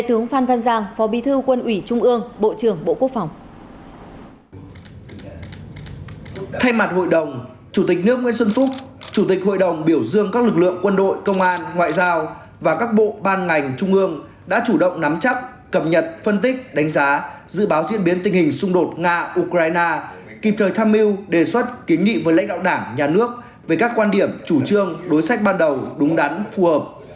thay mặt hội đồng chủ tịch nước nguyễn xuân phúc chủ tịch hội đồng biểu dương các lực lượng quân đội công an ngoại giao và các bộ ban ngành trung ương đã chủ động nắm chắc cập nhật phân tích đánh giá dự báo diễn biến tình hình xung đột nga ukraine kịp thời tham mưu đề xuất kiến nghị với lãnh đạo đảng nhà nước về các quan điểm chủ trương đối sách ban đầu đúng đắn phù hợp